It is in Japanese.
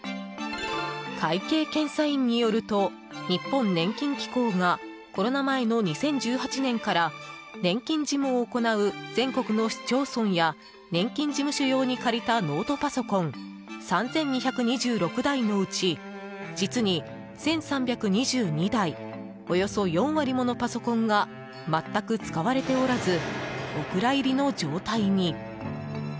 会計検査院によると日本年金機構がコロナ前の２０１８年から年金事務を行う全国の市町村や年金事務所用に借りたノートパソコン３２２６台のうち実に１３２２台およそ４割ものパソコンが全く使われておらずお蔵入りの状態に。